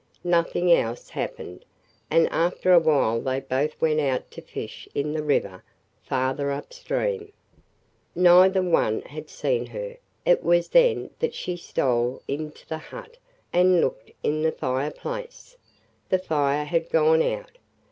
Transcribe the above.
Nothing else happened, and after a while they both went out to fish in the river farther upstream. Neither one had seen her. It was then that she stole into the hut and looked in the fireplace. The fire had gone out.